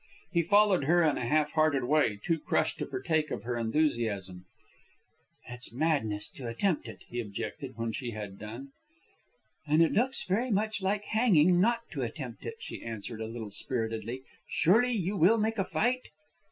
He followed her in a half hearted way, too crushed to partake of her enthusiasm. "It's madness to attempt it," he objected, when she had done. "And it looks very much like hanging not to attempt it," she answered a little spiritedly. "Surely you will make a fight?"